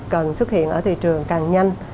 cần xuất hiện ở thị trường càng nhanh